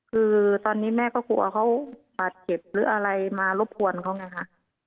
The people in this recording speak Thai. คือตอนนี้แม่ก็กลัวเขาบาดเจ็บหรืออะไรมารบกวนเขาไงค่ะ